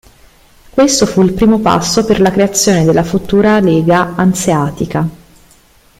Questo fu il primo passo per la creazione della futura Lega Anseatica.